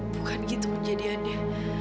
bukan gitu kejadiannya